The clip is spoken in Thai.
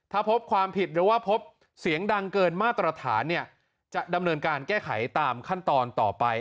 ถ้าพบความผิดหรือว่าพบเสียงดังเกินมาตรฐานเนี่ยจะดำเนินการแก้ไขตามขั้นตอนต่อไป